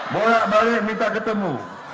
borak balik minta ketemu